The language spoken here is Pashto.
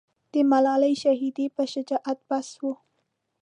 د ملالۍ شهیدې پر شجاعت بحث و.